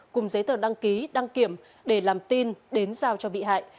cùng giấy tờ đăng ký đăng kiểm để làm tin đến giao cho bị hại